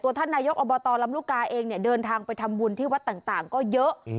ท่านนายกอบตลำลูกกาเองเนี่ยเดินทางไปทำบุญที่วัดต่างก็เยอะ